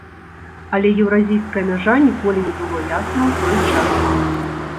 Але еўразійская мяжа ніколі не было ясна, у той час.